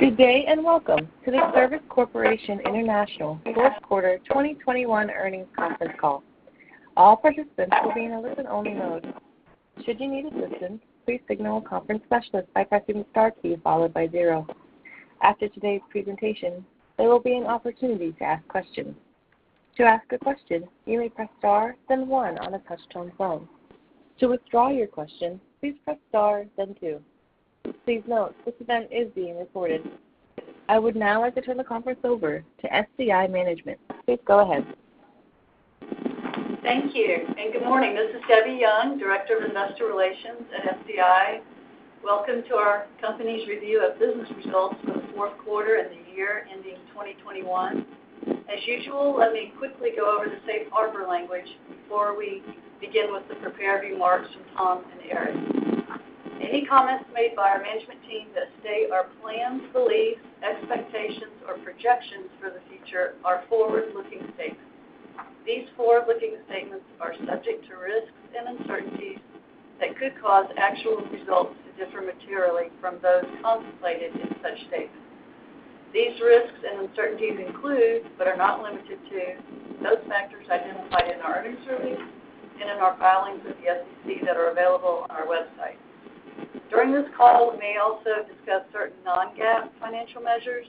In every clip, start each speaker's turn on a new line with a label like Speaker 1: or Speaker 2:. Speaker 1: Good day, and welcome to the Service Corporation International fourth quarter 2021 earnings conference call. All participants will be in a listen-only mode. Should you need assistance, please signal a conference specialist by pressing the star key followed by zero. After today's presentation, there will be an opportunity to ask questions. To ask a question, you may press star, then one on a touch-tone phone. To withdraw your question, please press star then two. Please note, this event is being recorded. I would now like to turn the conference over to SCI management. Please go ahead.
Speaker 2: Thank you, and good morning. This is Debbie Young, Director of Investor Relations at SCI. Welcome to our company's review of business results for the fourth quarter and the year ending 2021. As usual, let me quickly go over the safe harbor language before we begin with the prepared remarks from Tom and Eric. Any comments made by our management team that state our plans, beliefs, expectations, or projections for the future are forward-looking statements. These forward-looking statements are subject to risks and uncertainties that could cause actual results to differ materially from those contemplated in such statements. These risks and uncertainties include, but are not limited to, those factors identified in our earnings release and in our filings with the SEC that are available on our website. During this call, we may also discuss certain non-GAAP financial measures.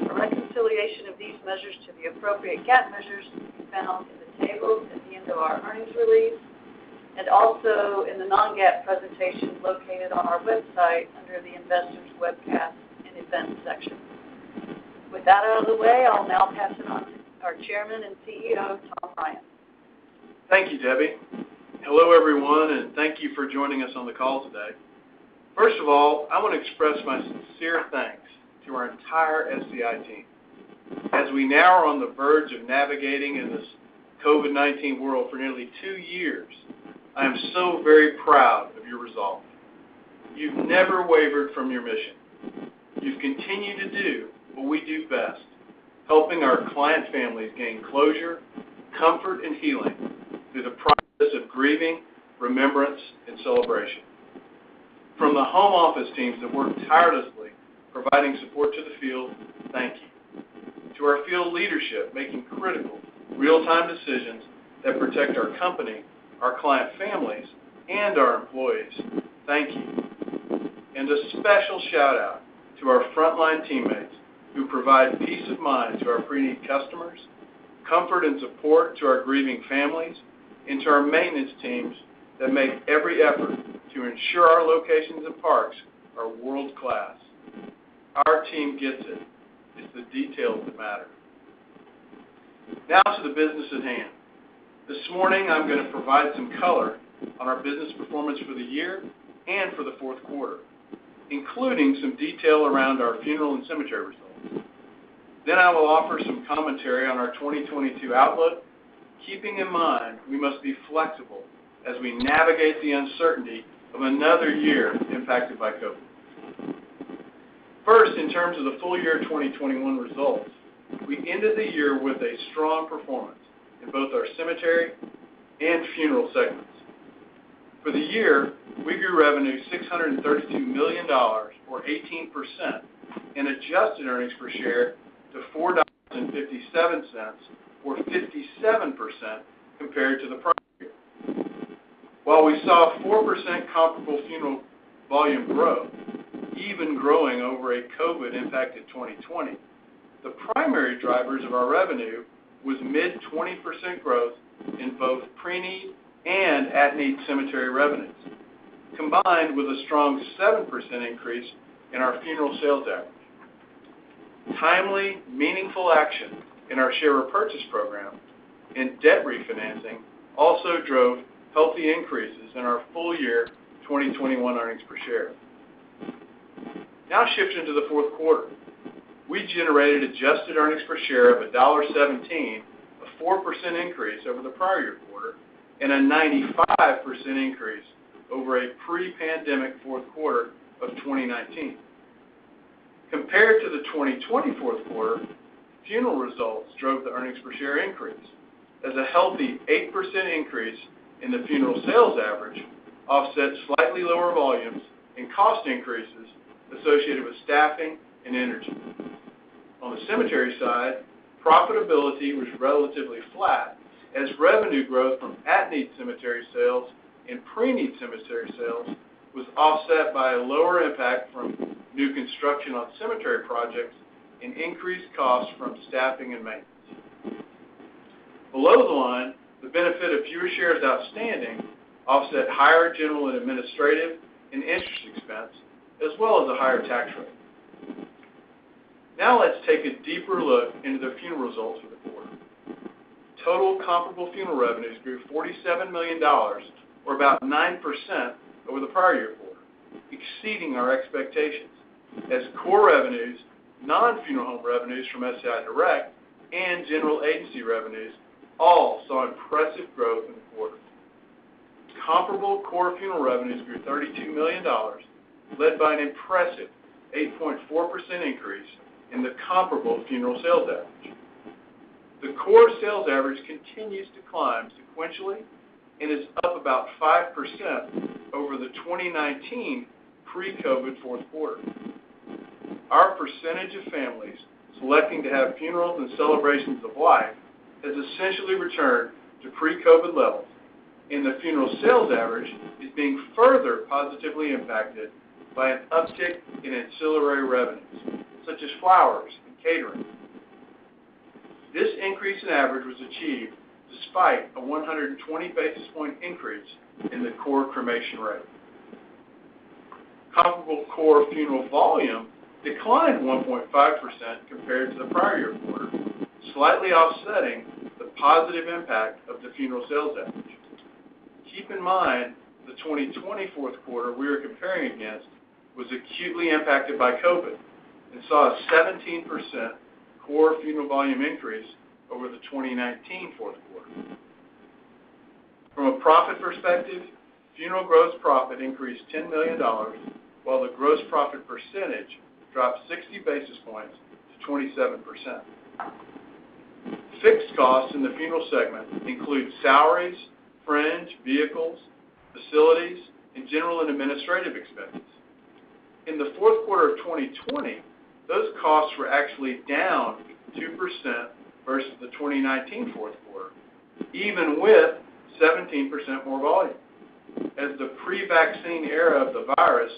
Speaker 2: A reconciliation of these measures to the appropriate GAAP measures can be found in the tables at the end of our earnings release and also in the non-GAAP presentation located on our website under the Investors Webcast and Events section. With that out of the way, I'll now pass it on to our Chairman and CEO, Tom Ryan.
Speaker 3: Thank you, Debbie. Hello, everyone, and thank you for joining us on the call today. First of all, I want to express my sincere thanks to our entire SCI team. As we now are on the verge of navigating in this COVID-19 world for nearly two years, I am so very proud of your resolve. You've never wavered from your mission. You've continued to do what we do best, helping our client families gain closure, comfort, and healing through the process of grieving, remembrance, and celebration. From the home office teams that work tirelessly providing support to the field, thank you. To our field leadership, making critical real-time decisions that protect our company, our client families, and our employees, thank you. A special shout-out to our frontline teammates who provide peace of mind to our pre-need customers, comfort and support to our grieving families, and to our maintenance teams that make every effort to ensure our locations and parks are world-class. Our team gets it. It's the details that matter. Now to the business at hand. This morning, I'm going to provide some color on our business performance for the year and for the fourth quarter, including some detail around our funeral and cemetery results. Then I will offer some commentary on our 2022 outlook, keeping in mind we must be flexible as we navigate the uncertainty of another year impacted by COVID. First, in terms of the full year 2021 results, we ended the year with a strong performance in both our cemetery and funeral segments. For the year, we grew revenue $632 million or 18% and adjusted earnings per share to $4.57 or 57% compared to the prior year. While we saw a 4% comparable funeral volume growth, even growing over a COVID-impacted 2020, the primary drivers of our revenue was mid 20% growth in both pre-need and at-need cemetery revenues, combined with a strong 7% increase in our funeral sales average. Timely, meaningful action in our share repurchase program and debt refinancing also drove healthy increases in our full year 2021 earnings per share. Now shifting to the fourth quarter. We generated adjusted earnings per share of $1.17, a 4% increase over the prior year quarter and a 95% increase over a pre-pandemic fourth quarter of 2019. Compared to the 2020 fourth quarter, funeral results drove the earnings per share increase as a healthy 8% increase in the funeral sales average offset slightly lower volumes and cost increases associated with staffing and energy. On the cemetery side, profitability was relatively flat as revenue growth from at-need cemetery sales and pre-need cemetery sales was offset by a lower impact from new construction on cemetery projects and increased costs from staffing and maintenance. Below the line, the benefit of fewer shares outstanding offset higher general and administrative and interest expense as well as a higher tax rate. Now let's take a deeper look into the funeral results for the quarter. Total comparable funeral revenues grew $47 million or about 9% over the prior year quarter, exceeding our expectations as core revenues, non-funeral home revenues from SCI Direct and general agency revenues all saw impressive growth in the quarter. Comparable core funeral revenues grew $32 million, led by an impressive 8.4% increase in the comparable funeral sales average. The core sales average continues to climb sequentially and is up about 5% over the 2019 pre-COVID fourth quarter. Our percentage of families selecting to have funerals and Celebrations of Life has essentially returned to pre-COVID levels, and the funeral sales average is being further positively impacted by an uptick in ancillary revenues, such as flowers and catering. This increase in average was achieved despite a 120 basis points increase in the core cremation rate. Comparable core funeral volume declined 1.5% compared to the prior year quarter, slightly offsetting the positive impact of the funeral sales average. Keep in mind, the 2020 fourth quarter we are comparing against was acutely impacted by COVID and saw a 17% core funeral volume increase over the 2019 fourth quarter. From a profit perspective, funeral gross profit increased $10 million, while the gross profit percentage dropped 60 basis points to 27%. Fixed costs in the funeral segment include salaries, fringe, vehicles, facilities, and general and administrative expenses. In the fourth quarter of 2020, those costs were actually down 2% versus the 2019 fourth quarter, even with 17% more volume, as the pre-vaccine era of the virus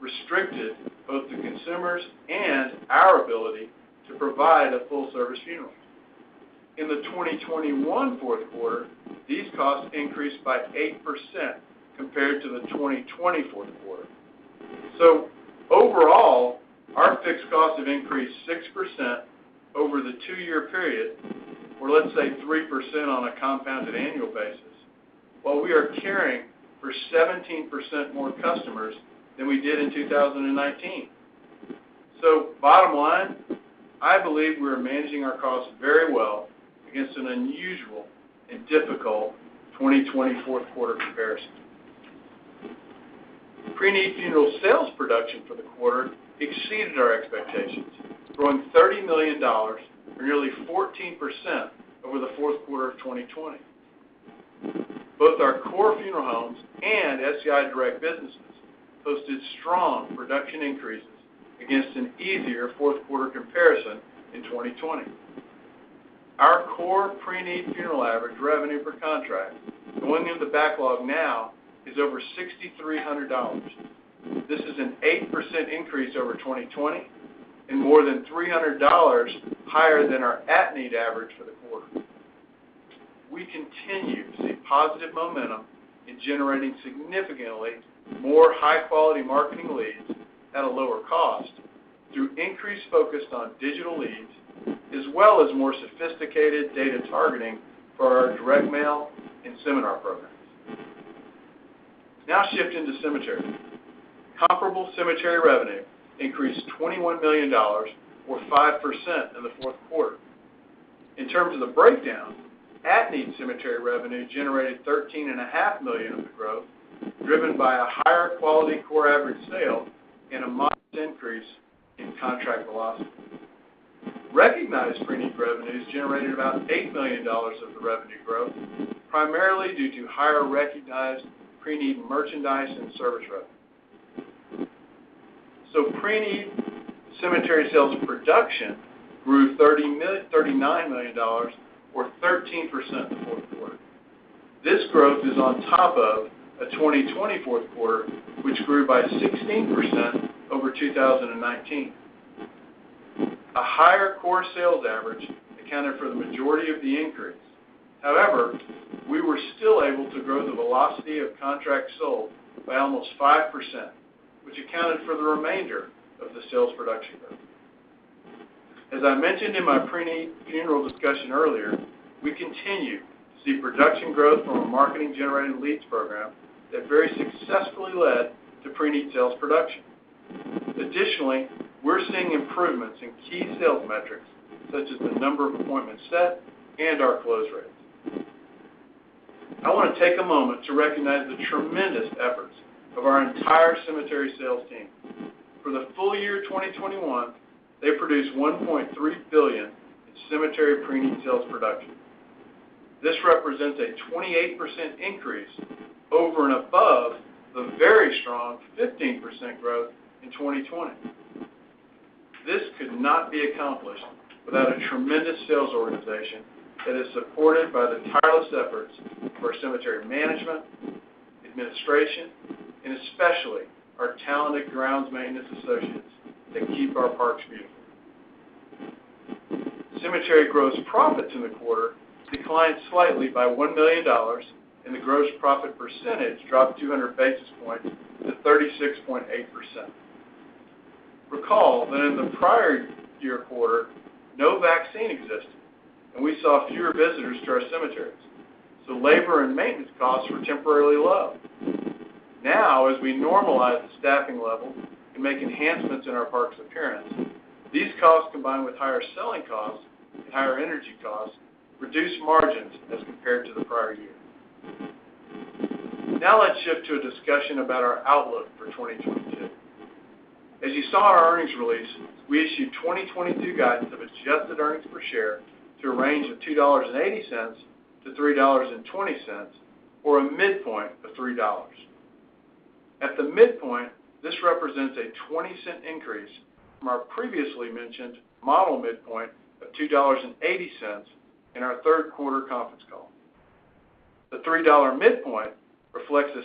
Speaker 3: restricted both the consumers and our ability to provide a full-service funeral. In the 2021 fourth quarter, these costs increased by 8% compared to the 2020 fourth quarter. Overall, our fixed costs have increased 6% over the two-year period, or let's say 3% on a compounded annual basis, while we are caring for 17% more customers than we did in 2019. Bottom line, I believe we are managing our costs very well against an unusual and difficult 2020 fourth quarter comparison. Preneed funeral sales production for the quarter exceeded our expectations, growing $30 million, or nearly 14%, over the fourth quarter of 2020. Both our core funeral homes and SCI Direct businesses posted strong production increases against an easier fourth quarter comparison in 2020. Our core preneed funeral average revenue per contract going in the backlog now is over $6,300. This is an 8% increase over 2020 and more than $300 higher than our at-need average for the quarter. We continue to see positive momentum in generating significantly more high-quality marketing leads at a lower cost through increased focus on digital leads, as well as more sophisticated data targeting for our direct mail and seminar programs. Now shifting to cemetery. Comparable cemetery revenue increased $21 million or 5% in the fourth quarter. In terms of the breakdown, at-need cemetery revenue generated $13.5 million of the growth, driven by a higher quality core average sale and a modest increase in contract velocity. Recognized preneed revenues generated about $8 million of the revenue growth, primarily due to higher recognized preneed merchandise and service revenue. Preneed cemetery sales production grew $39 million or 13% in the fourth quarter. This growth is on top of a 2020 fourth quarter, which grew by 16% over 2019. A higher core sales average accounted for the majority of the increase. However, we were still able to grow the velocity of contracts sold by almost 5%, which accounted for the remainder of the sales production growth. As I mentioned in my preneed funeral discussion earlier, we continue to see production growth from a marketing-generated leads program that very successfully led to preneed sales production. Additionally, we're seeing improvements in key sales metrics such as the number of appointments set and our close rates. I wanna take a moment to recognize the tremendous efforts of our entire cemetery sales team. For the full year 2021, they produced $1.3 billion in cemetery preneed sales production. This represents a 28% increase over and above the very strong 15% growth in 2020. This could not be accomplished without a tremendous sales organization that is supported by the tireless efforts for cemetery management, administration, and especially our talented grounds maintenance associates that keep our parks beautiful. Cemetery gross profits in the quarter declined slightly by $1 million, and the gross profit percentage dropped 200 basis points to 36.8%. Recall that in the prior year quarter, no vaccine existed, and we saw fewer visitors to our cemeteries, so labor and maintenance costs were temporarily low. Now, as we normalize the staffing level and make enhancements in our parks' appearance, these costs, combined with higher selling costs and higher energy costs, reduce margins as compared to the prior year. Now let's shift to a discussion about our outlook for 2022. As you saw in our earnings release, we issued 2022 guidance of adjusted earnings per share to a range of $2.80-$3.20, or a midpoint of $3. At the midpoint, this represents a $0.20 Increase from our previously mentioned model midpoint of $2.80 in our third quarter conference call. The $3 midpoint reflects a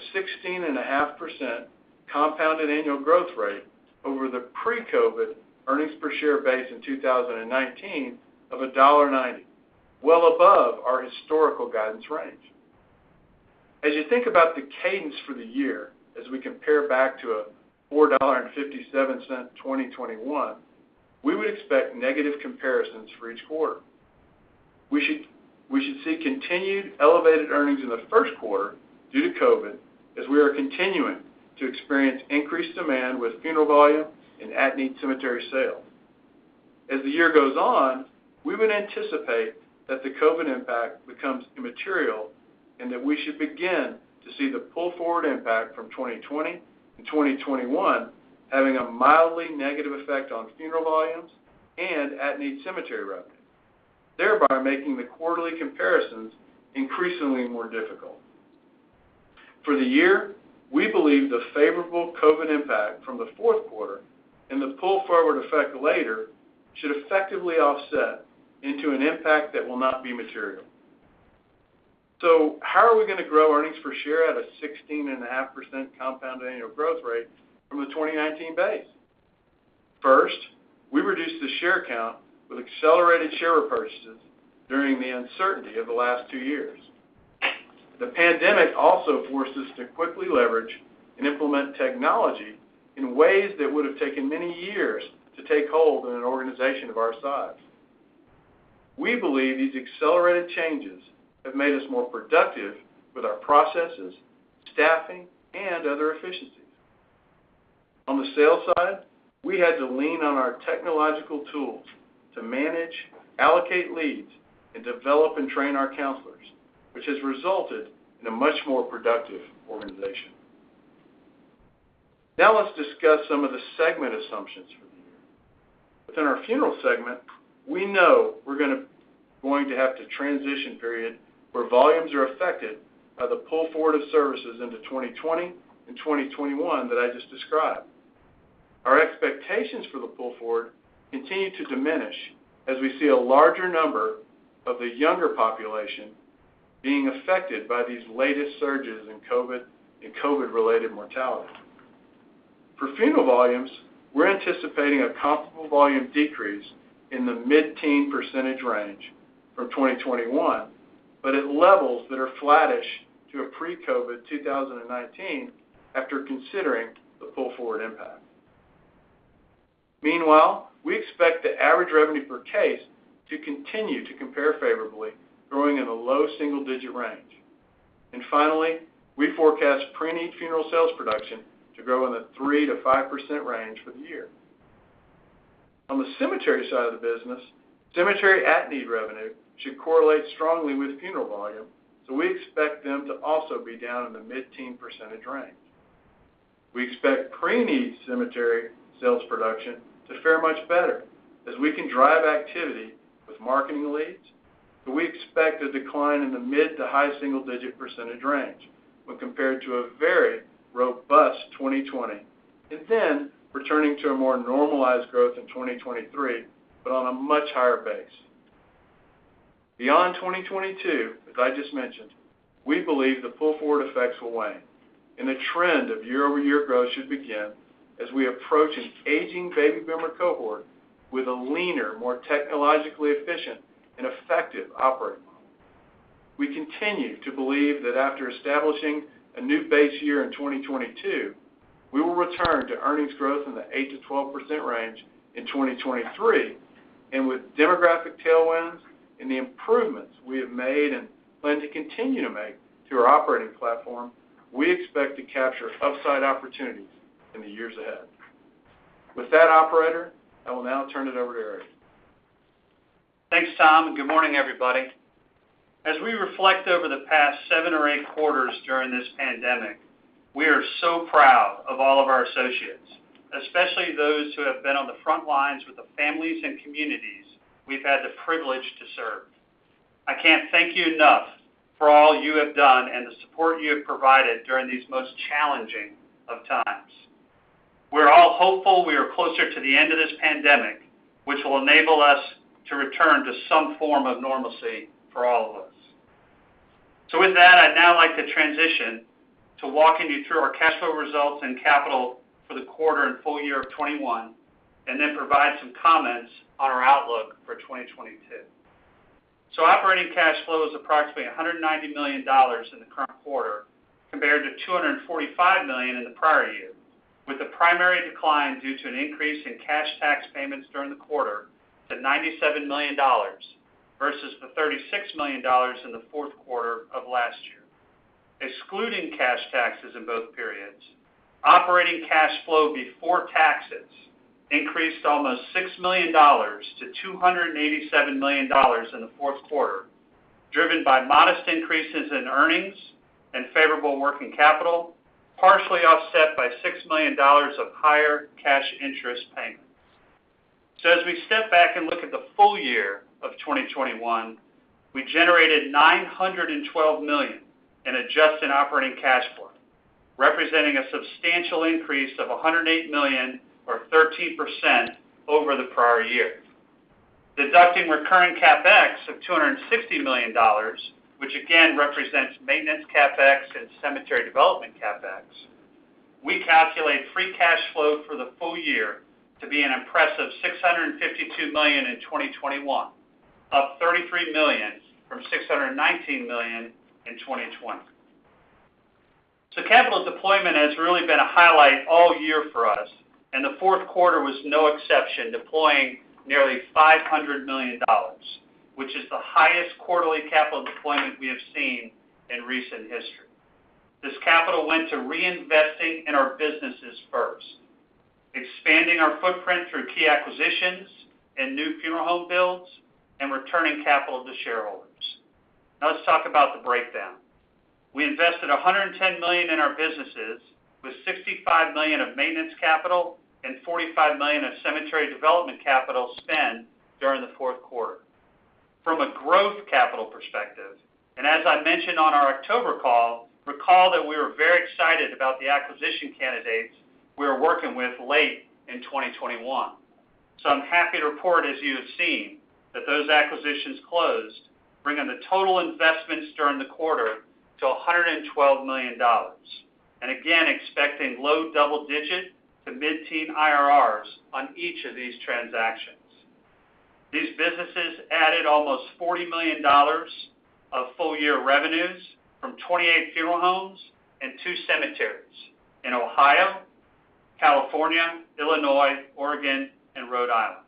Speaker 3: 16.5% compounded annual growth rate over the pre-COVID earnings per share base in 2019 of $1.90, well above our historical guidance range. As you think about the cadence for the year as we compare back to a $4.57 2021, we would expect negative comparisons for each quarter. We should see continued elevated earnings in the first quarter due to COVID, as we are continuing to experience increased demand with funeral volume and at-need cemetery sales. As the year goes on, we would anticipate that the COVID impact becomes immaterial and that we should begin to see the pull-forward impact from 2020 and 2021 having a mildly negative effect on funeral volumes and at-need cemetery revenue, thereby making the quarterly comparisons increasingly more difficult. For the year, we believe the favorable COVID impact from the fourth quarter and the pull-forward effect later should effectively offset into an impact that will not be material. How are we gonna grow earnings per share at a 16.5% compound annual growth rate from the 2019 base? First, we reduced the share count with accelerated share repurchases during the uncertainty of the last two years. The pandemic also forced us to quickly leverage and implement technology in ways that would have taken many years to take hold in an organization of our size. We believe these accelerated changes have made us more productive with our processes, staffing, and other efficiencies. On the sales side, we had to lean on our technological tools to manage, allocate leads, and develop and train our counselors, which has resulted in a much more productive organization. Now let's discuss some of the segment assumptions for the year. Within our funeral segment, we know we're going to have a transition period where volumes are affected by the pull-forward of services into 2020 and 2021 that I just described. Our expectations for the pull-forward continue to diminish as we see a larger number of the younger population being affected by these latest surges in COVID and COVID-related mortality. For funeral volumes, we're anticipating a comparable volume decrease in the mid-teen % range from 2021, but at levels that are flattish to a pre-COVID 2019 after considering the pull-forward impact. Meanwhile, we expect the average revenue per case to continue to compare favorably, growing in a low single-digit % range. Finally, we forecast preneed funeral sales production to grow in the 3%-5% range for the year. On the cemetery side of the business, cemetery at-need revenue should correlate strongly with funeral volume, so we expect them to also be down in the mid-teen % range. We expect preneed cemetery sales production to fare much better as we can drive activity with marketing leads, but we expect a decline in the mid- to high single-digit % range when compared to a very robust 2020, and then returning to a more normalized growth in 2023, but on a much higher base. Beyond 2022, as I just mentioned, we believe the pull-forward effects will wane, and the trend of year-over-year growth should begin as we approach an aging baby boomer cohort with a leaner, more technologically efficient and effective operating model. We continue to believe that after establishing a new base year in 2022, we will return to earnings growth in the 8%-12% range in 2023. With demographic tailwinds and the improvements, we have made and plan to continue to make to our operating platform, we expect to capture upside opportunities in the years ahead. With that, operator, I will now turn it over to Eric Tanzberger.
Speaker 4: Thanks, Tom, and good morning, everybody. As we reflect over the past seven or eight quarters during this pandemic, we are so proud of all of our associates, especially those who have been on the front lines with the families and communities we've had the privilege to serve. I can't thank you enough for all you have done and the support you have provided during these most challenging of times. We're all hopeful we are closer to the end of this pandemic, which will enable us to return to some form of normalcy for all of us. With that, I'd now like to transition to walking you through our cash flow results and capital for the quarter and full year of 2021 and then provide some comments on our outlook for 2022. Operating cash flow is approximately $190 million in the current quarter compared to $245 million in the prior year, with the primary decline due to an increase in cash tax payments during the quarter to $97 million versus the $36 million in the fourth quarter of last year. Excluding cash taxes in both periods, operating cash flow before taxes increased almost $6 million-$287 million in the fourth quarter, driven by modest increases in earnings and favorable working capital, partially offset by $6 million of higher cash interest payments. As we step back and look at the full year of 2021, we generated $912 million in adjusted operating cash flow, representing a substantial increase of $108 million or 13% over the prior year. Deducting recurring CapEx of $260 million, which again represents maintenance CapEx and cemetery development CapEx, we calculate free cash flow for the full year to be an impressive $652 million in 2021, up $33 million from $619 million in 2020. Capital deployment has really been a highlight all year for us, and the fourth quarter was no exception, deploying nearly $500 million, which is the highest quarterly capital deployment we have seen in recent history. This capital went to reinvesting in our businesses first, expanding our footprint through key acquisitions and new funeral home builds, and returning capital to shareholders. Now let's talk about the breakdown. We invested $110 million in our businesses with $65 million of maintenance capital and $45 million of cemetery development capital spend during the fourth quarter. From a growth capital perspective, and as I mentioned on our October call, recall that we were very excited about the acquisition candidates we were working with late in 2021. I'm happy to report, as you have seen, that those acquisitions closed, bringing the total investments during the quarter to $112 million. Again, expecting low double-digit to mid-teen IRRs on each of these transactions. These businesses added almost $40 million of full-year revenues from 28 funeral homes and two cemeteries in Ohio, California, Illinois, Oregon, and Rhode Island.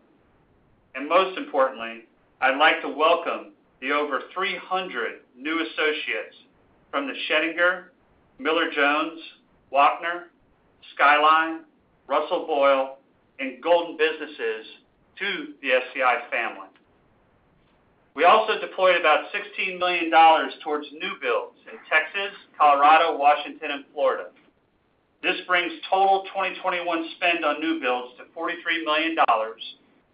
Speaker 4: Most importantly, I'd like to welcome the over 300 new associates from the Schoedinger, Miller-Jones, Wappner, Skyline Memorial Park, Russell J. Boyle & Son, and Virgil T. Golden Funeral Service businesses to the SCI family. We also deployed about $16 million towards new builds in Texas, Colorado, Washington, and Florida. This brings total 2021 spend on new builds to $43 million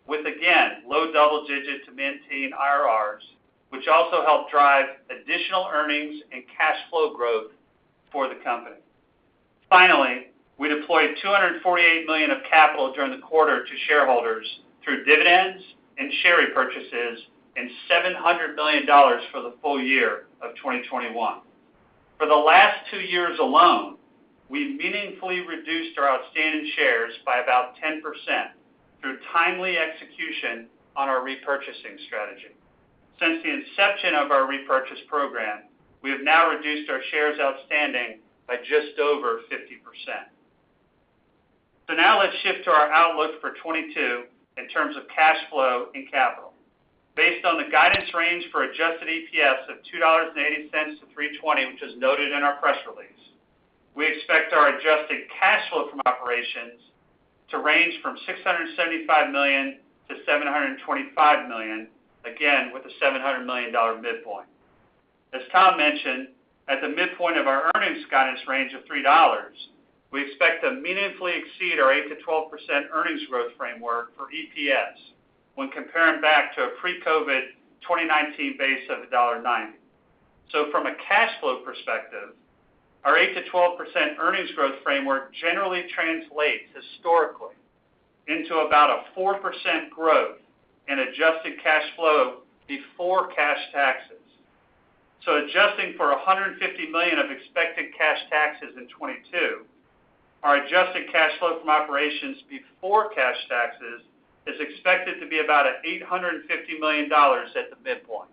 Speaker 4: with again, low double-digit to mid-teen IRRs, which also help drive additional earnings and cash flow growth for the company. Finally, we deployed $248 million of capital during the quarter to shareholders through dividends and share repurchases, and $700 million for the full year of 2021. For the last two years alone, we've meaningfully reduced our outstanding shares by about 10% through timely execution on our repurchasing strategy. Since the inception of our repurchase program, we have now reduced our shares outstanding by just over 50%. Now let's shift to our outlook for 2022 in terms of cash flow and capital. Based on the guidance range for adjusted EPS of $2.80-$3.20, which is noted in our press release, we expect our adjusted cash flow from operations to range from $675 million-$725 million, again, with a $700 million midpoint. As Tom mentioned, at the midpoint of our earnings guidance range of $3, we expect to meaningfully exceed our 8%-12% earnings growth framework for EPS when comparing back to a pre-COVID 2019 base of $1.90. From a cash flow perspective, our 8%-12% earnings growth framework generally translates historically into about a 4% growth in adjusted cash flow before cash taxes. Adjusting for $150 million of expected cash taxes in 2022, our adjusted cash flow from operations before cash taxes is expected to be about $850 million at the midpoint.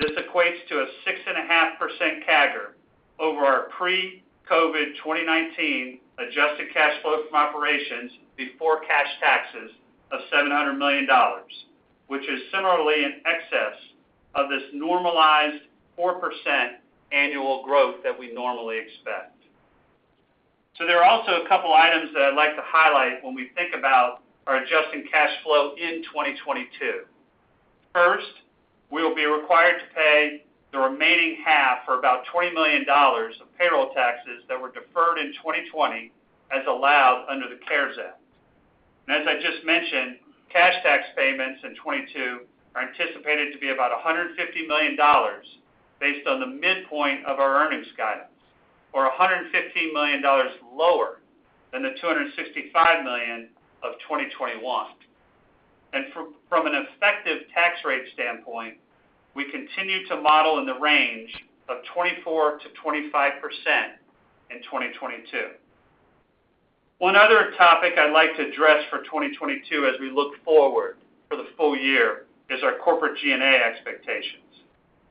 Speaker 4: This equates to a 6.5% CAGR over our pre-COVID 2019 adjusted cash flow from operations before cash taxes of $700 million, which is similarly in excess of this normalized 4% annual growth that we normally expect. There are also a couple items that I'd like to highlight when we think about our adjusted cash flow in 2022. First, we will be required to pay the remaining half for about $20 million of payroll taxes that were deferred in 2020 as allowed under the CARES Act. As I just mentioned, cash tax payments in 2022 are anticipated to be about $150 million based on the midpoint of our earnings guidance or $150 million lower than the $265 million of 2021. From an effective tax rate standpoint, we continue to model in the range of 24%-25% in 2022. One other topic I'd like to address for 2022 as we look forward for the full year is our corporate G&A expectations.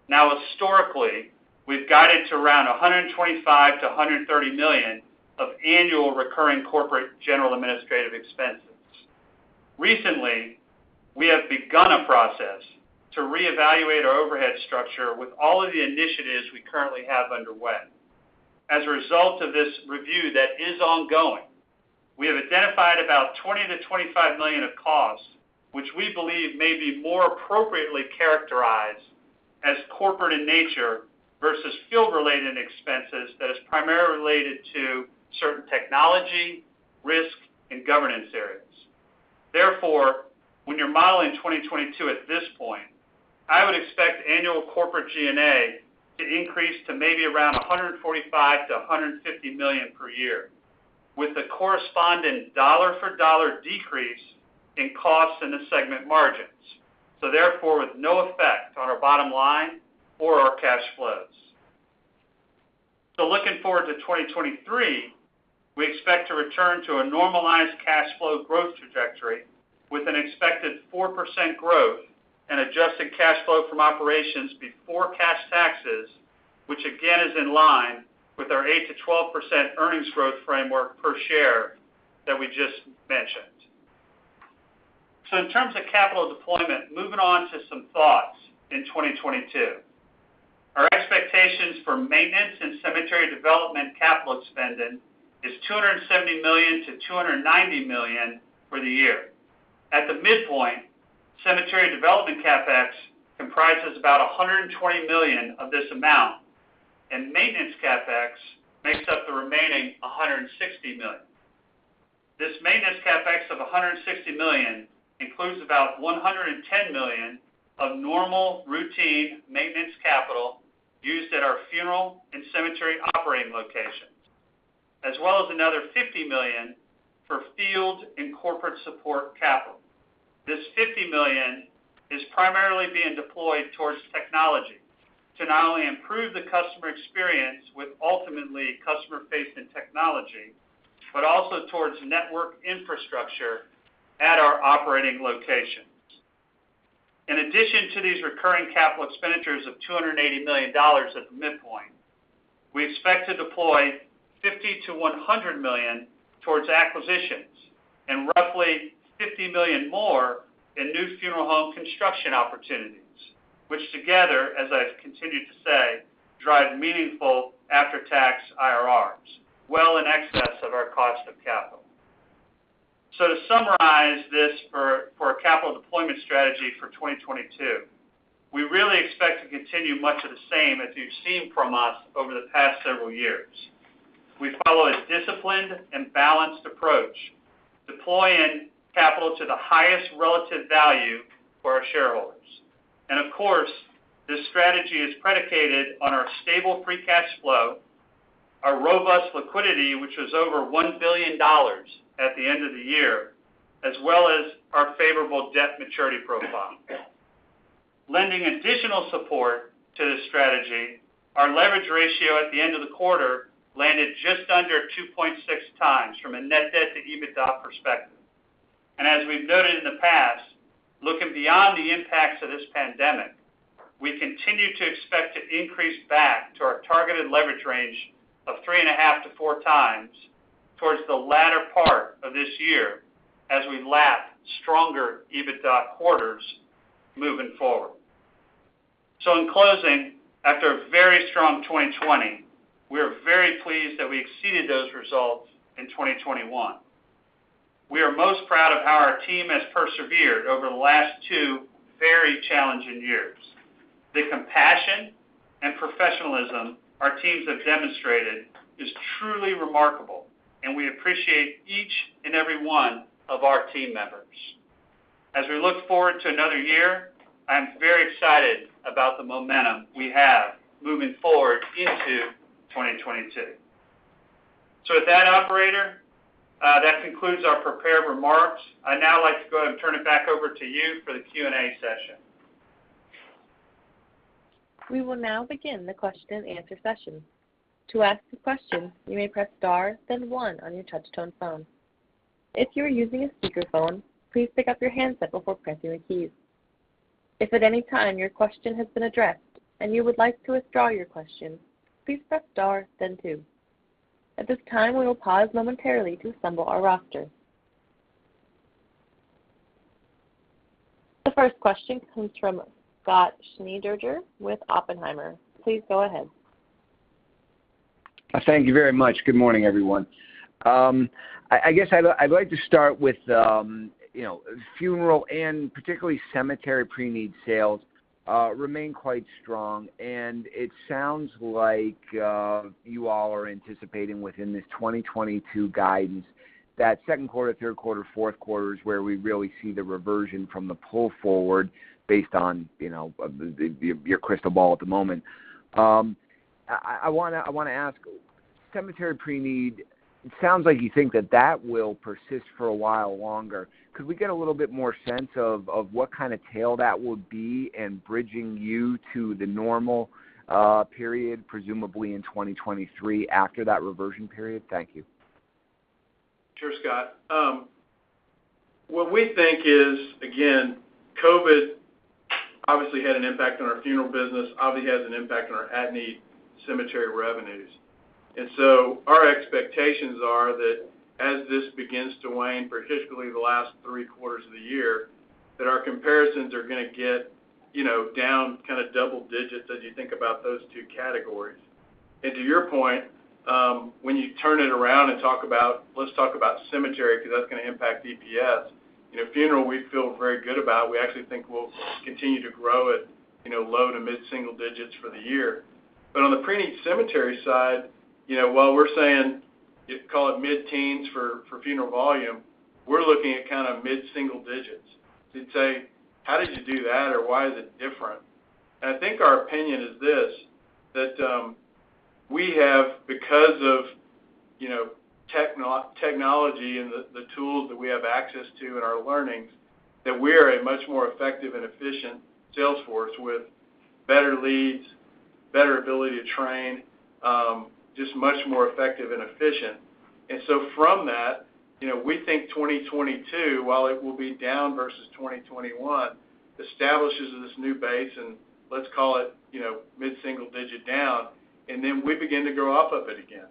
Speaker 4: Now, historically, we've guided to around $125 million-$130 million of annual recurring corporate general and administrative expenses. Recently, we have begun a process to reevaluate our overhead structure with all of the initiatives we currently have underway. As a result of this review that is ongoing, we have identified about $20-$25 million of costs, which we believe may be more appropriately characterized as corporate in nature versus field-related expenses that is primarily related to certain technology, risk, and governance areas. Therefore, when you're modeling 2022 at this point, I would expect annual corporate G&A to increase to maybe around $145-$150 million per year, with the corresponding dollar for dollar decrease in costs in the segment margins. Therefore, with no effect on our bottom line or our cash flows. Looking forward to 2023, we expect to return to a normalized cash flow growth trajectory with an expected 4% growth and adjusted cash flow from operations before cash taxes, which again, is in line with our 8%-12% earnings growth framework per share that we just mentioned. In terms of capital deployment, moving on to some thoughts in 2022. Our expectations for maintenance and cemetery development capital spending is $270 million-$290 million for the year. At the midpoint, cemetery development CapEx comprises about $120 million of this amount, and maintenance CapEx makes up the remaining $160 million. This maintenance CapEx of $160 million includes about $110 million of normal routine maintenance capital used at our funeral and cemetery operating locations, as well as another $50 million for field and corporate support capital. This $50 million is primarily being deployed towards technology to not only improve the customer experience with ultimately customer-facing technology, but also towards network infrastructure at our operating locations. In addition to these recurring capital expenditures of $280 million at the midpoint, we expect to deploy $50 million-$100 million towards acquisitions and roughly $50 million more in new funeral home construction opportunities, which together, as I've continued to say, drive meaningful after-tax IRRs, well in excess of our cost of capital. To summarize this for a capital deployment strategy for 2022, we really expect to continue much of the same as you've seen from us over the past several years. We follow a disciplined and balanced approach, deploying capital to the highest relative value for our shareholders. Of course, this strategy is predicated on our stable free cash flow, our robust liquidity, which was over $1 billion at the end of the year, as well as our favorable debt maturity profile. Lending additional support to this strategy, our leverage ratio at the end of the quarter landed just under 2.6x from a net debt to EBITDA perspective. As we've noted in the past, looking beyond the impacts of this pandemic, we continue to expect to increase back to our targeted leverage range of 3.5x-4x towards the latter part of this year as we lap stronger EBITDA quarters moving forward. In closing, after a very strong 2020, we are very pleased that we exceeded those results in 2021. We are most proud of how our team has persevered over the last two very challenging years. The compassion and professionalism our teams have demonstrated is truly remarkable, and we appreciate each and every one of our team members. As we look forward to another year, I'm very excited about the momentum we have moving forward into 2022. With that operator, that concludes our prepared remarks. I'd now like to go ahead and turn it back over to you for the Q&A session.
Speaker 1: We will now begin the question-and-answer session. To ask a question, you may press star then one on your touch tone phone. If you are using a speakerphone, please pick up your handset before pressing the keys. If at any time your question has been addressed and you would like to withdraw your question, please press star then two. At this time, we will pause momentarily to assemble our roster. The first question comes from Scott Schneeberger with Oppenheimer & Co. Please go ahead.
Speaker 5: Thank you very much. Good morning, everyone. I guess I'd like to start with, you know, funeral and particularly cemetery preneed sales remain quite strong, and it sounds like you all are anticipating within this 2022 guidance that second quarter, third quarter, fourth quarter is where we really see the reversion from the pull-forward based on, you know, your crystal ball at the moment. I want to ask, cemetery preneed, it sounds like you think that will persist for a while longer. Could we get a little bit more sense of what kind of tail that will be in bridging you to the normal period, presumably in 2023 after that reversion period? Thank you.
Speaker 3: Sure, Scott. What we think is, again, COVID obviously had an impact on our funeral business, obviously has an impact on our at-need cemetery revenues. Our expectations are that as this begins to wane for historically the last three quarters of the year, that our comparisons are gonna get, you know, down kind of double digits as you think about those two categories. To your point, when you turn it around and talk about cemetery because that's gonna impact EPS. You know, funeral, we feel very good about. We actually think we'll continue to grow it, you know, low to mid-single digits for the year. On the preneed cemetery side, you know, while we're saying, if call it mid-teens for funeral volume, we're looking at kinda mid-single digits. You'd say, "How did you do that?" Or "Why is it different?" I think our opinion is this, that we have because of, you know, technology and the tools that we have access to in our learnings, that we're a much more effective and efficient sales force with better leads, better ability to train, just much more effective and efficient. From that, you know, we think 2022, while it will be down versus 2021, establishes this new base, and let's call it, you know, mid-single digit down, and then we begin to grow off of it again.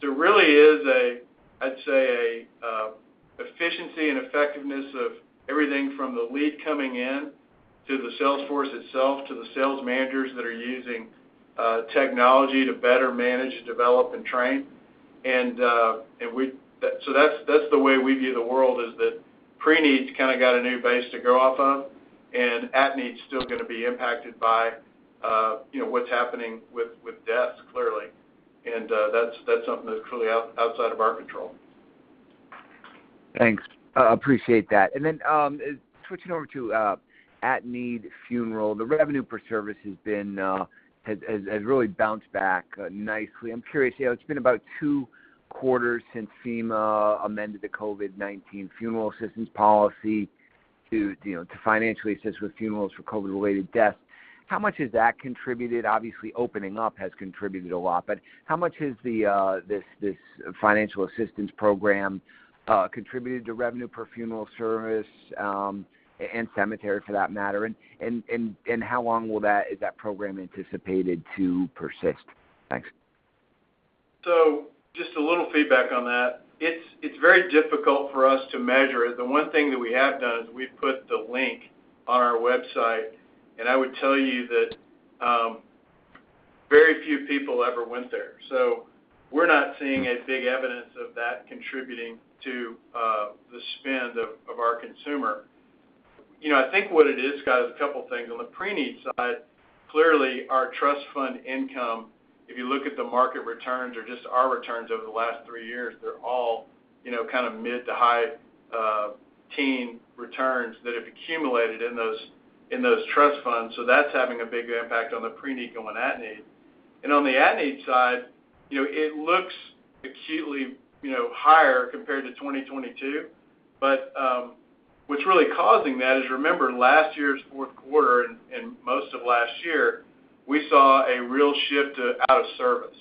Speaker 3: There really is, I'd say, efficiency and effectiveness of everything from the lead coming in, to the sales force itself, to the sales managers that are using technology to better manage, develop, and train. That's the way we view the world, is that preneed kind of got a new base to grow off of, and at-need is still gonna be impacted by, you know, what's happening with deaths, clearly. That's something that's truly outside of our control.
Speaker 5: Thanks. Appreciate that. Switching over to at-need funeral, the revenue per service has really bounced back nicely. I'm curious, you know, it's been about two quarters since FEMA amended the COVID-19 funeral assistance policy to, you know, to financially assist with funerals for COVID-related deaths. How much has that contributed? Obviously, opening up has contributed a lot, but how much has this financial assistance program contributed to revenue per funeral service and cemetery for that matter? How long is that program anticipated to persist? Thanks.
Speaker 3: Just a little feedback on that. It's very difficult for us to measure. The one thing that we have done is we've put the link on our website, and I would tell you that very few people ever went there. We're not seeing a big evidence of that contributing to the spend of our consumer. You know, I think what it is, Scott, is a couple things. On the preneed side, clearly, our trust fund income, if you look at the market returns or just our returns over the last three years, they're all, you know, kind of mid- to high-teen returns that have accumulated in those trust funds. That's having a big impact on the preneed and on at-need. On the at-need side, you know, it looks actually, you know, higher compared to 2022, but what's really causing that is, remember, last year's fourth quarter and most of last year, we saw a real shift to out of service.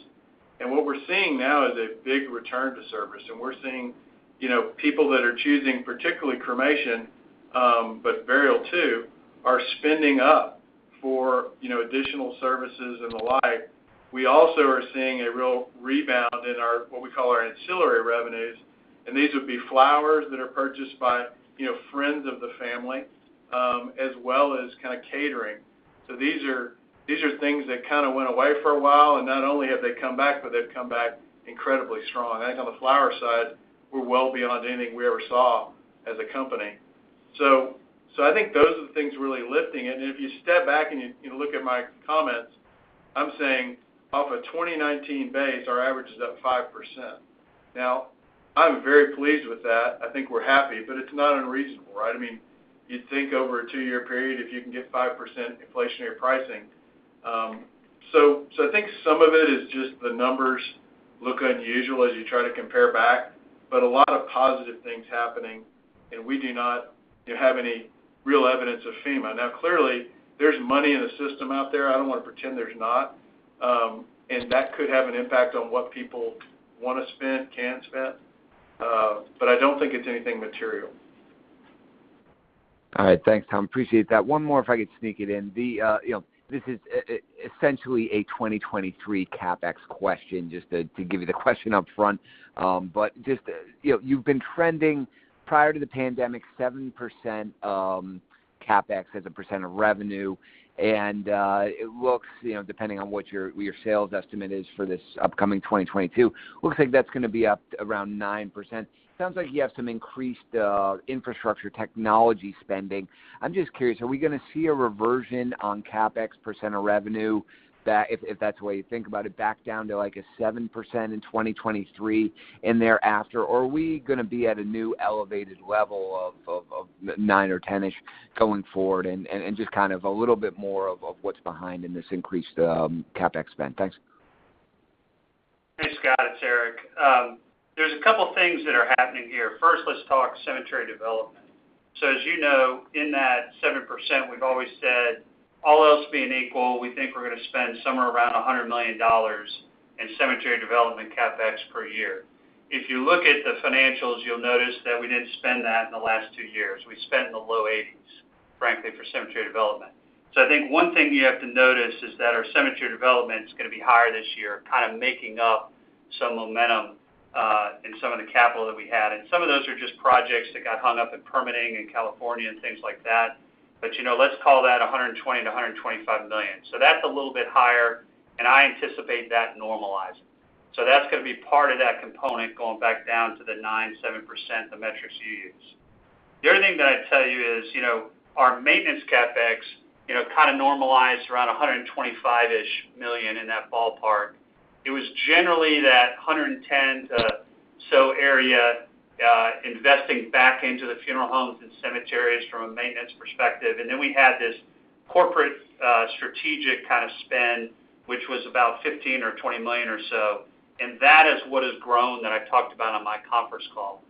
Speaker 3: What we're seeing now is a big return to service, and we're seeing, you know, people that are choosing, particularly cremation, but burial too, are spending up for, you know, additional services and the like. We also are seeing a real rebound in our what we call our ancillary revenues, and these would be flowers that are purchased by, you know, friends of the family, as well as kind of catering. These are things that kind of went away for a while, and not only have they come back, but they've come back incredibly strong. I think on the flower side, we're well beyond anything we ever saw as a company. I think those are the things really lifting. If you step back and you look at my comments, I'm saying off a 2019 base, our average is up 5%. Now, I'm very pleased with that. I think we're happy, but it's not unreasonable, right? I mean, you'd think over a two-year period, if you can get 5% inflationary pricing. I think some of it is just the numbers look unusual as you try to compare back, but a lot of positive things happening, and we do not have any real evidence of FEMA. Now, clearly, there's money in the system out there. I don't wanna pretend there's not. That could have an impact on what people wanna spend, can spend, but I don't think it's anything material.
Speaker 5: All right. Thanks, Tom. Appreciate that. One more, if I could sneak it in. This is essentially a 2023 CapEx question, just to give you the question up front. Just, you know, you've been trending prior to the pandemic, 7% CapEx as a percent of revenue. It looks, you know, depending on what your sales estimate is for this upcoming 2022, looks like that's gonna be up around 9%. Sounds like you have some increased infrastructure technology spending. I'm just curious, are we gonna see a reversion on CapEx percent of revenue, if that's the way you think about it, back down to, like, a 7% in 2023 and thereafter? Or are we gonna be at a new elevated level of nine or 10-ish going forward? Just kind of a little bit more of what's behind this increased CapEx spend. Thanks.
Speaker 4: Hey, Scott, it's Eric. There're a couple things that are happening here. First, let's talk cemetery development. As you know, in that 7%, we've always said, all else being equal, we think we're gonna spend somewhere around $100 million in cemetery development CapEx per year. If you look at the financials, you'll notice that we didn't spend that in the last two years. We spent in the low $80s. Frankly, for cemetery development, I think one thing you have to notice is that our cemetery development is going to be higher this year, kind of making up some momentum in some of the capital that we had. Some of those are just projects that got hung up in permitting in California and things like that. You know, let's call that $120 million-$125 million. That's a little bit higher, and I anticipate that normalizing. That's going to be part of that component going back down to the 9.7%, the metrics you use. The other thing that I'd tell you is, you know, our maintenance CapEx, you know, kind of normalized around $125 million-ish in that ballpark. It was generally that 110 or so area, investing back into the funeral homes and cemeteries from a maintenance perspective. Then we had this corporate, strategic kind of spend, which was about $15 million or $20 million or so. That is what has grown that I talked about on my conference call.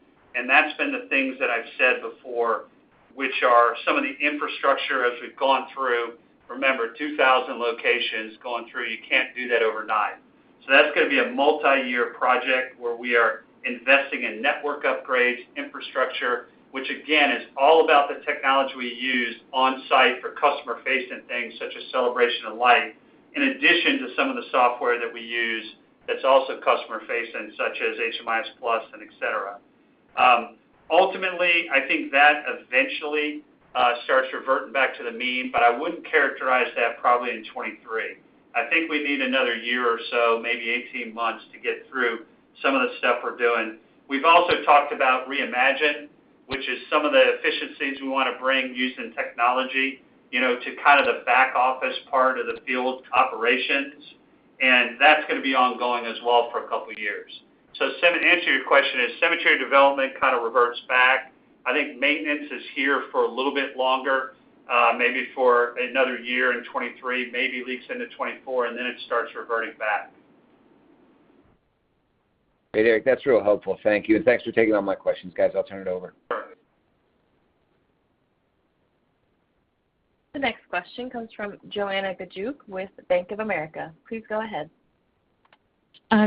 Speaker 4: That's been the things that I've said before, which are some of the infrastructures as we've gone through. Remember, 2,000 locations going through, you can't do that overnight. That's going to be a multi-year project where we are investing in network upgrades, infrastructure, which again, is all about the technology we use on site for customer-facing things such as Celebration of Life, in addition to some of the software that we use that's also customer-facing, such as HMIS Plus and et cetera. Ultimately, I think that eventually starts reverting back to the mean, but I wouldn't characterize that probably in 2023. I think we need another year or so, maybe 18 months, to get through some of the stuff we're doing. We've also talked about Reimagine, which is some of the efficiencies we want to bring using technology, you know, to kind of the back-office part of the field operations. That's going to be ongoing as well for a couple of years. To answer your question, as cemetery development kind of reverts back, I think maintenance is here for a little bit longer, maybe for another year in 2023, maybe leaks into 2024, and then it starts reverting back.
Speaker 5: Hey, Eric, that's real helpful. Thank you. Thanks for taking all my questions. Guys, I'll turn it over.
Speaker 1: The next question comes from Joanna Gajuk with Bank of America. Please go ahead.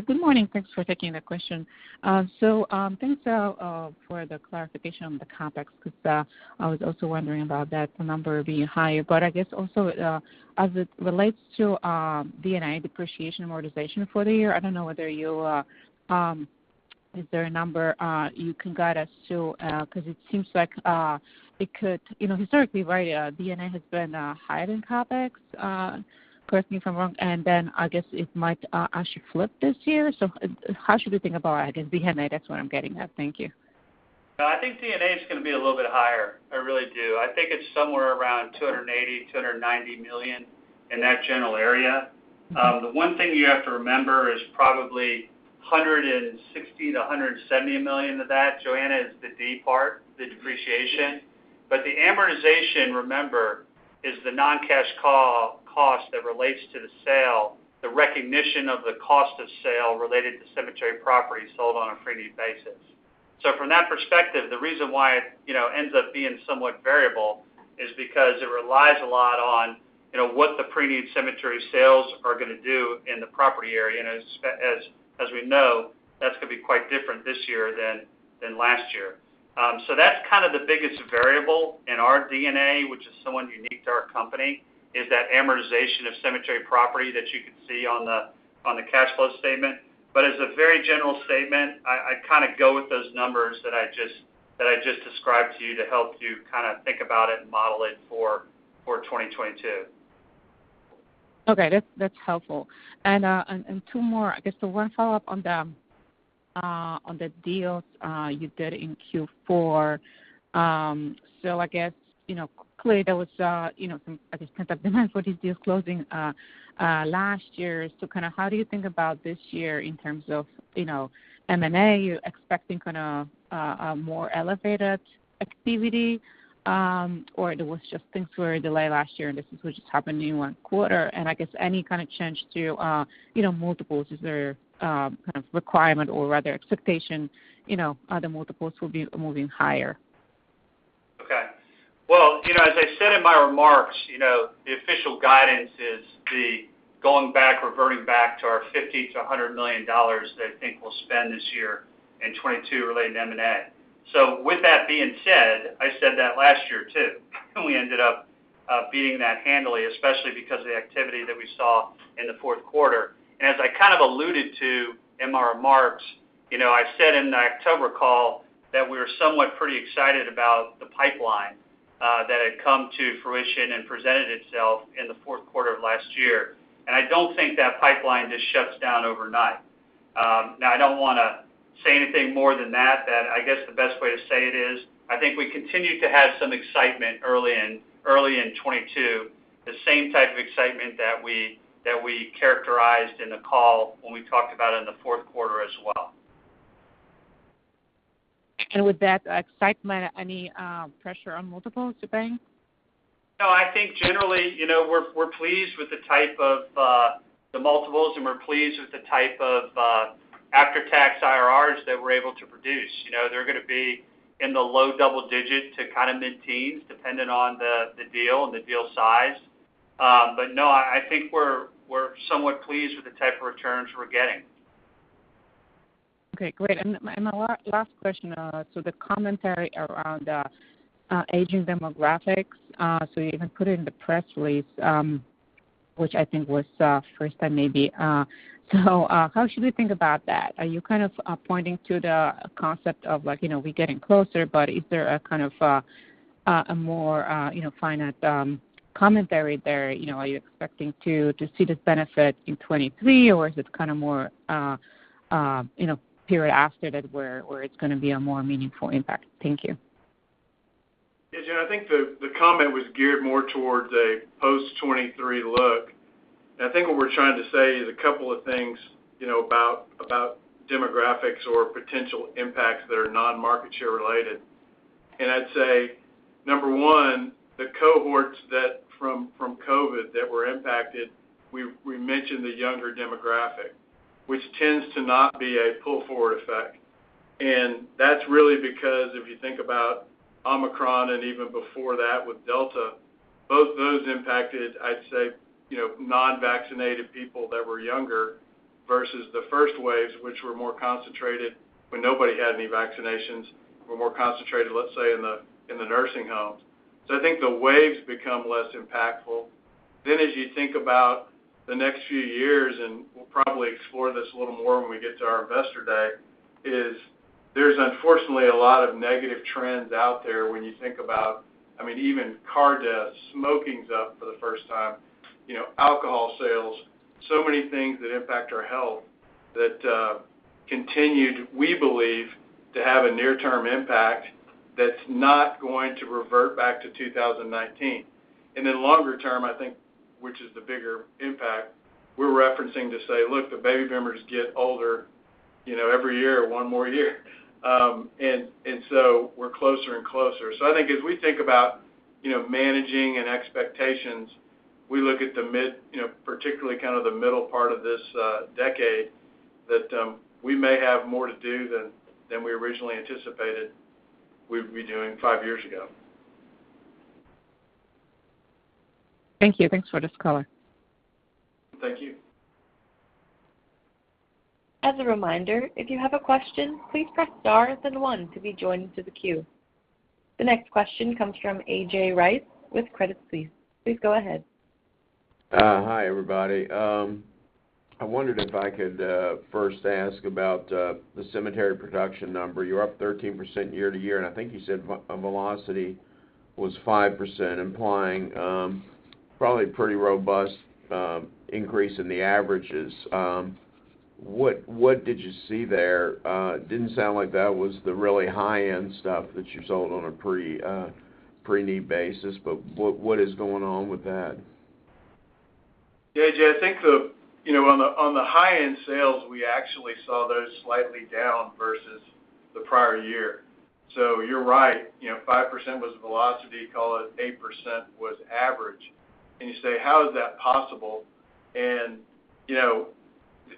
Speaker 6: Good morning. Thanks for taking the question. Thanks for the clarification on the CapEx, because I was also wondering about that number being higher. I guess also, as it relates to D&A depreciation amortization for the year, I don't know, is there a number you can guide us to, because it seems like it could, you know, historically, right, D&A has been higher than CapEx, correct me if I'm wrong, and then I guess it might actually flip this year. How should we think about it? Is D&A, that's what I'm getting at. Thank you.
Speaker 4: No, I think D&A is going to be a little bit higher. I really do. I think it's somewhere around $280-$290 million in that general area. The one thing you have to remember is probably $160-$170 million of that, Joanna, is the D part, the depreciation. But the amortization, remember, is the non-cash cost that relates to the sale, the recognition of the cost of sale related to cemetery property sold on a preneed basis. So, from that perspective, the reason why it, you know, ends up being somewhat variable is because it relies a lot on, you know, what the preneed cemetery sales are going to do in the property area. As we know, that's going to be quite different this year than last year. That's kind of the biggest variable in our D&A, which is somewhat unique to our company, is that amortization of cemetery property that you can see on the cash flow statement. As a very general statement, I kind of go with those numbers that I just described to you to help you kind of think about it and model it for 2022.
Speaker 6: Okay, that's helpful. Two more, I guess. One follow-up on the deals you did in Q4. I guess, you know, clearly there was, you know, some, I guess, pent-up demand for these deals closing last year. How do you think about this year in terms of, you know, M&A? Are you expecting kind of a more elevated activity, or there was just things were delayed last year, and this is what just happened in one quarter? I guess any kind of change to, you know, multiples. Is there kind of requirement or rather expectation, you know, are the multiples will be moving higher?
Speaker 4: Okay. Well, you know, as I said in my remarks, you know, the official guidance is the going back, reverting back to our $50 million-$100 million that I think we'll spend this year in 2022 related to M&A. With that being said, I said that last year, too, and we ended up beating that handily, especially because of the activity that we saw in the fourth quarter. As I kind of alluded to in my remarks, you know, I said in the October call that we were somewhat pretty excited about the pipeline that had come to fruition and presented itself in the fourth quarter of last year. I don't think that pipeline just shuts down overnight. Now I don't want to say anything more than that I guess the best way to say it is, I think we continue to have some excitement early in 2022, the same type of excitement that we characterized in the call when we talked about it in the fourth quarter as well.
Speaker 6: With that excitement, any pressure on multiples, you think?
Speaker 4: No, I think generally, you know, we're pleased with the type of multiples, and we're pleased with the type of after-tax IRRs that we're able to produce. You know, they're going to be in the low double digit to kind of mid-teens, depending on the deal and the deal size. No, I think we're somewhat pleased with the type of returns we're getting.
Speaker 6: Okay, great. My last question, the commentary around aging demographics. You even put it in the press release, which I think was first time maybe. How should we think about that? Are you kind of pointing to the concept of like, you know, we're getting closer, but is there a kind of a more, you know, finite commentary there? You know, are you expecting to see this benefit in 2023, or is this kinda more period after that where it's gonna be a more meaningful impact? Thank you.
Speaker 3: Yeah, Joanna, I think the comment was geared more towards a post-2023 look. I think what we're trying to say is a couple of things, you know, about demographics or potential impacts that are non-market share related. I'd say, number one, the cohorts that from COVID that were impacted, we mentioned the younger demographic, which tends to not be a pull-forward effect. That's really because if you think about Omicron, and even before that with Delta, both those impacted, I'd say, you know, non-vaccinated people that were younger versus the first waves which were more concentrated when nobody had any vaccinations, were more concentrated, let's say, in the nursing homes. I think the waves become less impactful. As you think about the next few years, and we'll probably explore this a little more when we get to our Investor Day, is there's unfortunately a lot of negative trends out there when you think about I mean, even car deaths, smoking's up for the first time, you know, alcohol sales, so many things that impact our health that continued, we believe, to have a near-term impact that's not going to revert back to 2019. Longer term, I think, which is the bigger impact, we're referencing to say, look, the baby boomers get older, you know, every year one more year, and so we're closer and closer. I think as we think about, you know, managing and expectations, we look at the mid, you know, particularly kinda the middle part of this decade that we may have more to do than we originally anticipated we'd be doing five years ago.
Speaker 6: Thank you. Thanks for this call.
Speaker 3: Thank you.
Speaker 1: As a reminder, if you have a question, please press star then one to be joined to the queue. The next question comes from A.J. Rice with Credit Suisse. Please go ahead.
Speaker 7: Hi, everybody. I wondered if I could first ask about the cemetery production number. You're up 13% year-over-year, and I think you said velocity was 5%, implying probably pretty robust increase in the averages. What did you see there? Didn't sound like that was the really high-end stuff that you sold on a preneed basis, but what is going on with that?
Speaker 3: Yeah, A.J., I think. You know, on the high-end sales, we actually saw those slightly down versus the prior year. You're right, you know, 5% was velocity, call it 8% was average. You say, how is that possible? You know,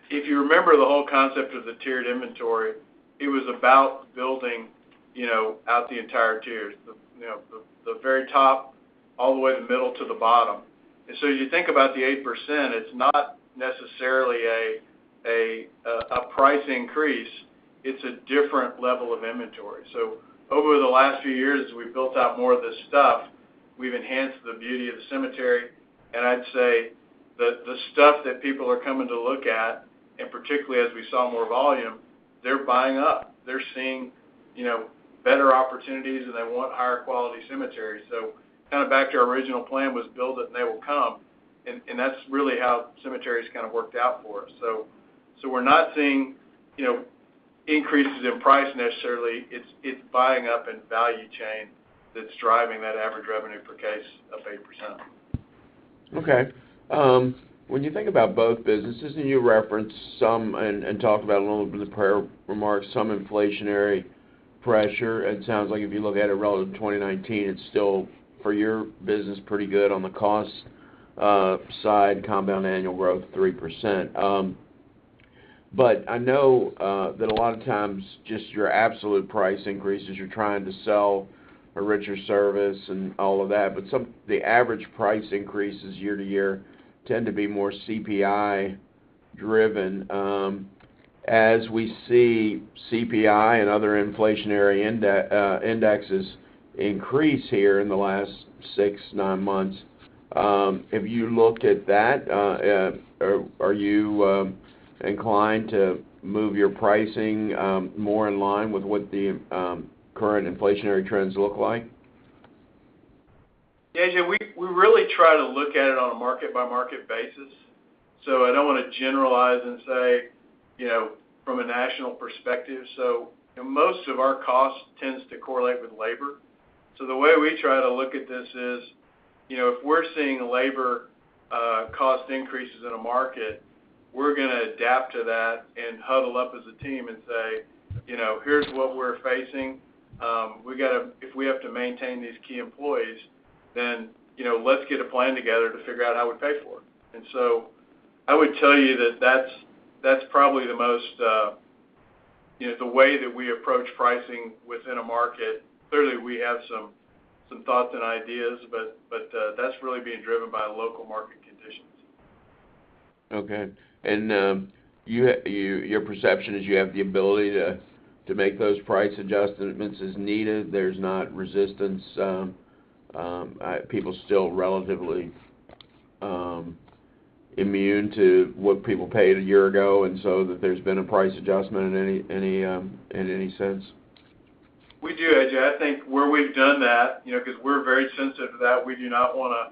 Speaker 3: if you remember the whole concept of the tiered inventory, it was about building, you know, out the entire tiers. The very top all the way to the middle to the bottom. As you think about the 8%, it's not necessarily a price increase, it's a different level of inventory. Over the last few years, as we've built out more of this stuff, we've enhanced the beauty of the cemetery, and I'd say the stuff that people are coming to look at, and particularly as we saw more volume, they're buying up. They're seeing, you know, better opportunities, and they want higher quality cemeteries. Kind of back to our original plan was build it and they will come. That's really how cemeteries kind of worked out for us. We're not seeing, you know, increases in price necessarily. It's buying up in value chain that's driving that average revenue per case up 8%.
Speaker 7: Okay. When you think about both businesses, and you referenced some and talked about a little bit in the prior remarks, some inflationary pressure. It sounds like if you look at it relative to 2019, it's still for your business pretty good on the cost side, compound annual growth 3%. But I know that a lot of times just your absolute price increases, you're trying to sell a richer service and all of that, but the average price increases year-to-year tend to be more CPI driven. As we see CPI and other inflationary indexes increase here in the last six-nine months, have you looked at that? Are you inclined to move your pricing more in line with what the current inflationary trends look like?
Speaker 3: Yeah, A.J., we really try to look at it on a market by market basis. I don't wanna generalize and say, you know, from a national perspective. You know, most of our cost tends to correlate with labor. The way we try to look at this is, you know, if we're seeing labor cost increases in a market, we're gonna adapt to that and huddle up as a team and say, you know, here's what we're facing. We gotta if we have to maintain these key employees, then, you know, let's get a plan together to figure out how we pay for it. I would tell you that that's probably the most, you know, the way that we approach pricing within a market. Clearly, we have some thoughts and ideas, but that's really being driven by local market conditions.
Speaker 7: Okay. Your perception is you have the ability to make those price adjustments as needed. There's not resistance. People still relatively immune to what people paid a year ago, and so that there's been a price adjustment in any sense?
Speaker 3: We do, A.J. I think where we've done that, you know, because we're very sensitive to that, we do not wanna,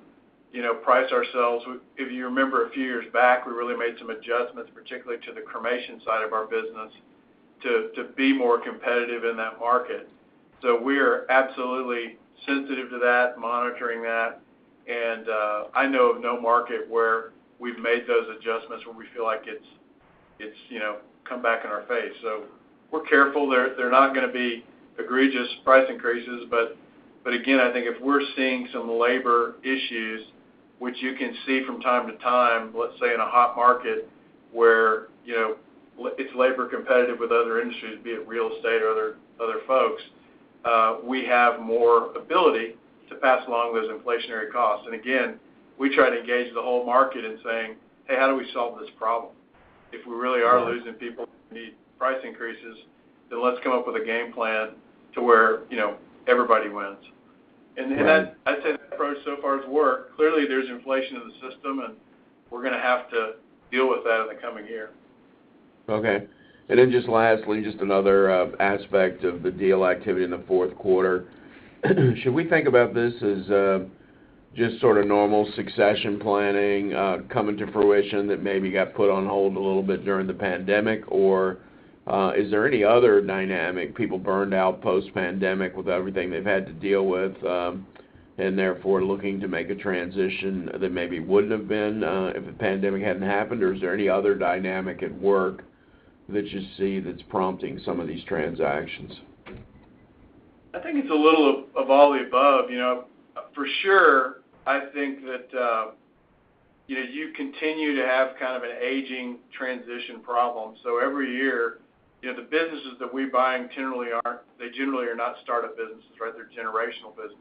Speaker 3: you know, price ourselves. If you remember a few years back, we really made some adjustments, particularly to the cremation side of our business to be more competitive in that market. We are absolutely sensitive to that, monitoring that. I know of no market where we've made those adjustments where we feel like it's, you know, come back in our face. We're careful. They're not gonna be egregious price increases. Again, I think if we're seeing some labor issues, which you can see from time to time, let's say in a hot market where, you know, it's labor competitive with other industries, be it real estate or other folks, we have more ability to pass along those inflationary costs. Again, we try to engage the whole market in saying, "Hey, how do we solve this problem? If we really are losing people, we need price increases, then let's come up with a game plan to where, you know, everybody wins.
Speaker 7: Right.
Speaker 3: That approach so far has worked. Clearly, there's inflation in the system, and we're gonna have to deal with that in the coming year.
Speaker 7: Okay. Just lastly, just another aspect of the deal activity in the fourth quarter. Should we think about this as just sort of normal succession planning coming to fruition that maybe got put on hold a little bit during the pandemic? Is there any other dynamic, people burned out post-pandemic with everything they've had to deal with and therefore looking to make a transition that maybe wouldn't have been if the pandemic hadn't happened? Is there any other dynamic at work that you see that's prompting some of these transactions?
Speaker 3: I think it's a little of all the above. You know, for sure, I think that you know, you continue to have kind of an aging transition problem. Every year, you know, the businesses that we're buying generally are not startup businesses, right? They're generational businesses.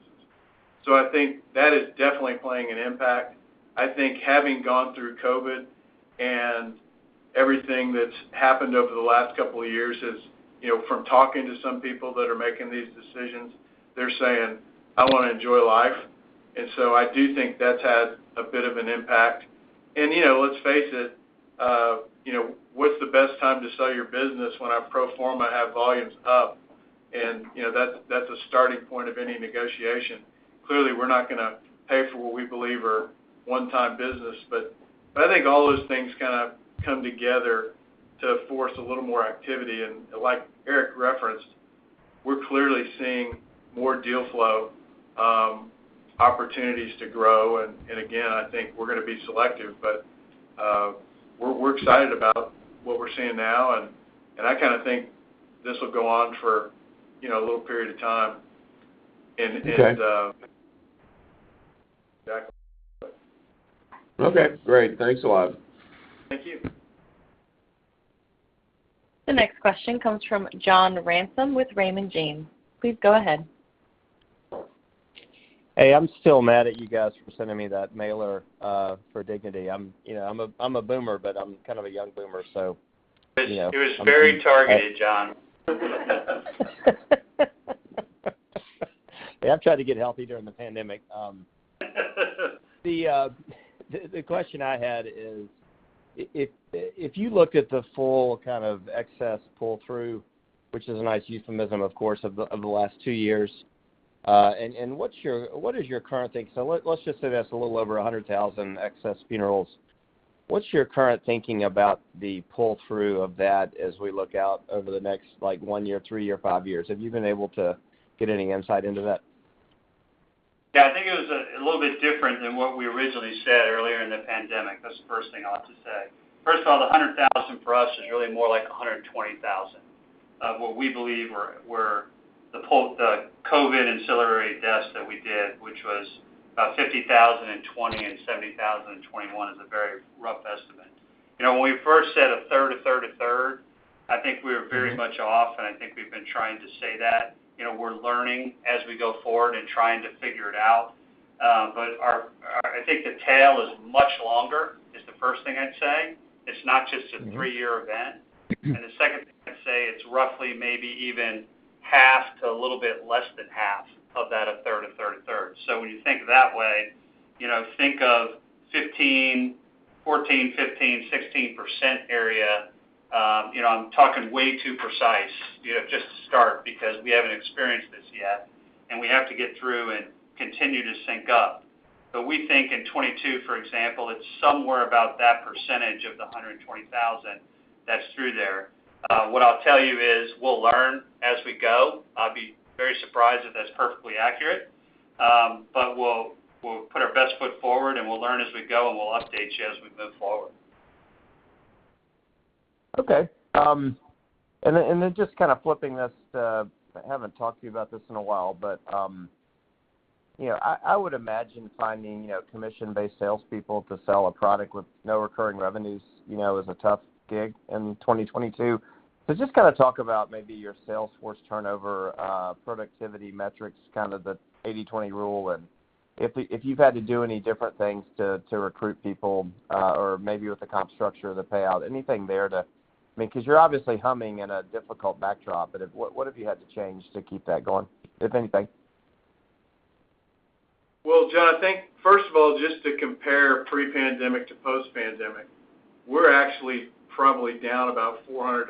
Speaker 3: I think that is definitely having an impact. I think having gone through COVID and everything that's happened over the last couple of years is, you know, from talking to some people that are making these decisions, they're saying, "I wanna enjoy life." I do think that's had a bit of an impact. You know, let's face it, you know, what's the best time to sell your business? When I pro forma, I have volumes up, and you know, that's a starting point of any negotiation. Clearly, we're not gonna pay for what we believe are one-time business. I think all those things kind of come together to force a little more activity. Like Eric referenced, we're clearly seeing more deal flow, opportunities to grow. Again, I think we're gonna be selective, but we're excited about what we're seeing now, and I kind of think this will go on for, you know, a little period of time.
Speaker 7: Okay.
Speaker 3: Back.
Speaker 7: Okay, great. Thanks a lot.
Speaker 3: Thank you.
Speaker 1: The next question comes from John Ransom with Raymond James. Please go ahead.
Speaker 8: Hey, I'm still mad at you guys for sending me that mailer for Dignity. You know, I'm a Boomer, but I'm kind of a young Boomer, so you know, I'm.
Speaker 3: It was very targeted, John.
Speaker 8: Yeah, I've tried to get healthy during the pandemic. The question I had is, if you looked at the full kind of excess pull-forward, which is a nice euphemism, of course, of the last two years, and what is your current take? So let's just say that's a little over 100,000 excess funerals. What's your current thinking about the pull-forward of that as we look out over the next, like, one year, three year, five years? Have you been able to get any insight into that?
Speaker 3: Yeah. I think it was a little bit different than what we originally said earlier in the pandemic. That's the first thing I'll have to say. First of all, the 100,000 for us is really more like 120,000, what we believe were the pull- the COVID ancillary deaths that we did, which was about 50,000 in 2020 and 70,000 in 2021 is a very rough estimate. You know, when we first said a third, I think we were very much off, and I think we've been trying to say that. You know, we're learning as we go forward and trying to figure it out. But our I think the tail is much longer, is the first thing I'd say. It's not just a three-year event.
Speaker 8: Mm-hmm.
Speaker 3: The second thing I'd say, it's roughly maybe even half to a little bit less than half of that, a third. When you think that way, you know, think of 15, 14, 15, 16% area. You know, I'm talking way too precise, you know, just to start because we haven't experienced this yet, and we have to get through and continue to sync up. We think in 2022, for example, it's somewhere about that percentage of the 120,000 that's through there. What I'll tell you is we'll learn as we go. I'd be very surprised if that's perfectly accurate. We'll put our best foot forward, and we'll learn as we go, and we'll update you as we move forward.
Speaker 8: Okay. And then just kind of flipping this to, I haven't talked to you about this in a while, but you know, I would imagine finding you know, commission-based salespeople to sell a product with no recurring revenues you know, is a tough gig in 2022. Just kind of talk about maybe your sales force turnover, productivity metrics, kind of the 80/20 rule, and if you've had to do any different things to recruit people or maybe with the comp structure or the payout, anything there to. I mean, 'cause you're obviously humming in a difficult backdrop. If what have you had to change to keep that going, if anything?
Speaker 3: Well, John, I think first of all, just to compare pre-pandemic to post-pandemic, we're actually probably down about 400-500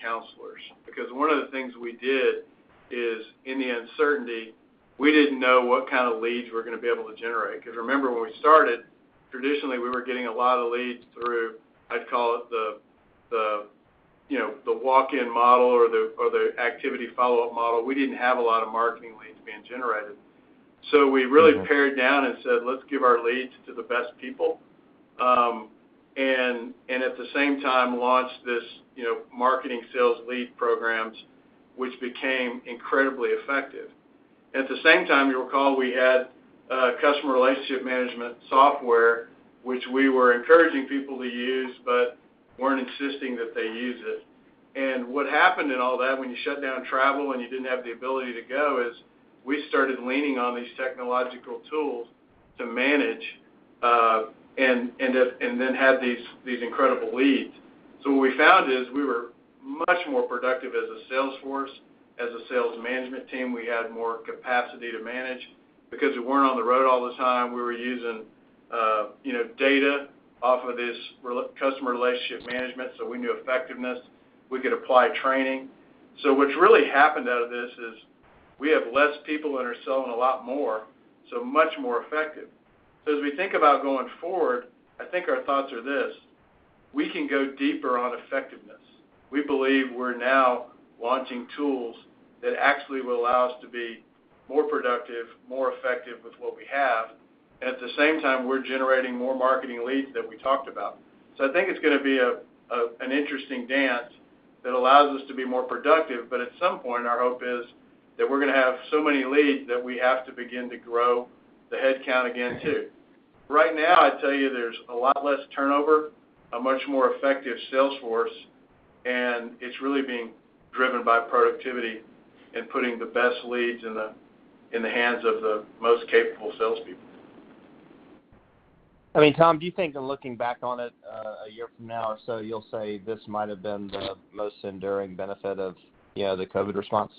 Speaker 3: counselors. Because one of the things we did is in the uncertainty, we didn't know what kind of leads we're gonna be able to generate. Because remember, when we started, traditionally, we were getting a lot of leads through, I'd call it the, you know, the walk-in model or the activity follow-up model. We didn't have a lot of marketing leads being generated. So, we really.
Speaker 8: Mm-hmm.
Speaker 3: Pared down and said, "Let's give our leads to the best people." At the same time launched this, you know, marketing sales lead programs, which became incredibly effective. At the same time, you'll recall we had customer relationship management software, which we were encouraging people to use, but weren't insisting that they use it. What happened in all that, when you shut down travel and you didn't have the ability to go is, we started leaning on these technological tools to manage, and then had these incredible leads. What we found is we were much more productive as a sales force. As a sales management team, we had more capacity to manage because we weren't on the road all the time. We were using, you know, data off of this customer relationship management, so we knew effectiveness. We could apply training. What's really happened out of this is we have less people that are selling a lot more, so much more effective. As we think about going forward, I think our thoughts are this. We can go deeper on effectiveness. We believe we're now launching tools that actually will allow us to be more productive, more effective with what we have. At the same time, we're generating more marketing leads that we talked about. I think it's gonna be an interesting dance that allows us to be more productive. At some point, our hope is that we're gonna have so many leads that we have to begin to grow the headcount again, too. Right now, I'd tell you there's a lot less turnover, a much more effective sales force, and it's really being driven by productivity and putting the best leads in the hands of the most capable salespeople.
Speaker 8: I mean, Tom, do you think in looking back on it a year from now or so you'll say this might have been the most enduring benefit of, you know, the COVID response?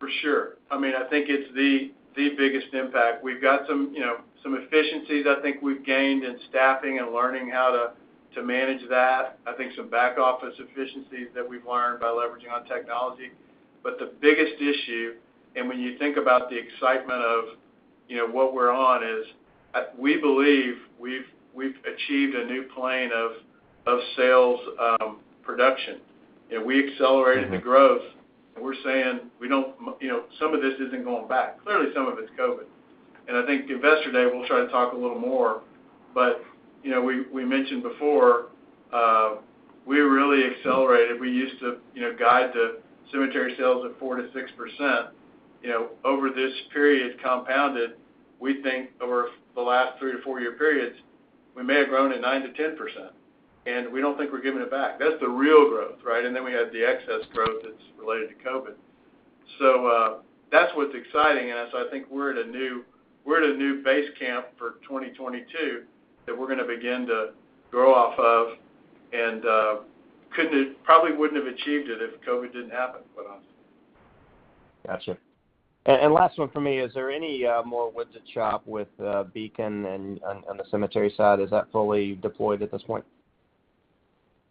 Speaker 3: For sure. I mean, I think it's the biggest impact. We've got some, you know, some efficiencies I think we've gained in staffing and learning how to manage that. I think some back-office efficiencies that we've learned by leveraging on technology. The biggest issue, and when you think about the excitement of, you know, what we're on is, we believe we've achieved a new plane of sales production. You know, we accelerated.
Speaker 8: Mm-hmm.
Speaker 3: The growth. We're saying we don't, you know, some of this isn't going back. Clearly, some of it's COVID. I think Investor Day, we'll try to talk a little more. You know, we mentioned before, we really accelerated. We used to, you know, guide the cemetery sales at 4%-6%. You know, over this period compounded, we think over the last three- to four-year periods, we may have grown at 9%-10%, and we don't think we're giving it back. That's the real growth, right? Then we have the excess growth that's related to COVID. That's what's exciting. I think we're at a new base camp for 2022 that we're gonna begin to grow off of and probably wouldn't have achieved it if COVID didn't happen.
Speaker 8: Gotcha. Last one for me. Is there any more wood to chop with Beacon and on the cemetery side? Is that fully deployed at this point?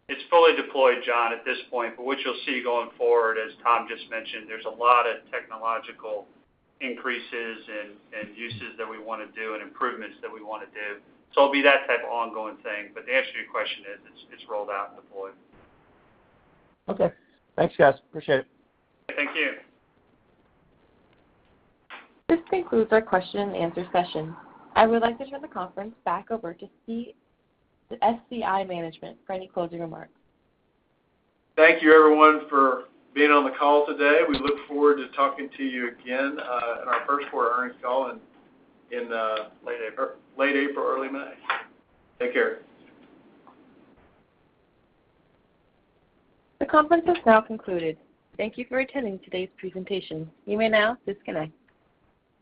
Speaker 4: It's fully deployed, John, at this point. What you'll see going forward, as Tom just mentioned, there's a lot of technological increases and uses that we wanna do and improvements that we wanna do. It'll be that type of ongoing thing. The answer to your question is, it's rolled out and deployed.
Speaker 8: Okay. Thanks, guys. Appreciate it.
Speaker 4: Thank you.
Speaker 1: This concludes our question and answer session. I would like to turn the conference back over to SCI management for any closing remarks.
Speaker 3: Thank you everyone for being on the call today. We look forward to talking to you again, in our first quarter earnings call in.
Speaker 4: Late April.
Speaker 3: Late April, early May. Take care.
Speaker 1: The conference has now concluded. Thank you for attending today's presentation. You may now disconnect.